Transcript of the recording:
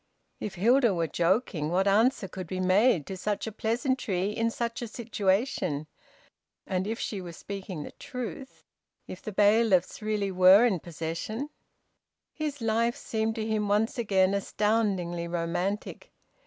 If Hilda were joking, what answer could be made to such a pleasantry in such a situation? And if she were speaking the truth, if the bailiffs really were in possession...! His life seemed to him once again astoundingly romantic.